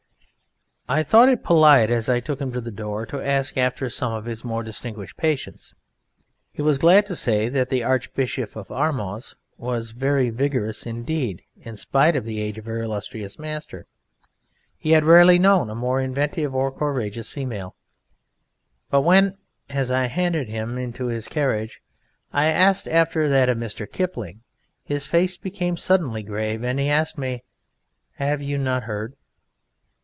I thought it polite as I took him to the door to ask after some of his more distinguished patients; he was glad to say that the Archbishop of Armagh's was very vigorous indeed, in spite of the age of her illustrious master. He had rarely known a more inventive or courageous female, but when, as I handed him into his carriage, I asked after that of Mr. Kipling, his face became suddenly grave; and he asked me, "Have you not heard?"